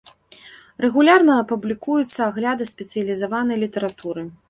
Рэгулярна публікуюцца агляды спецыялізаванай літаратуры.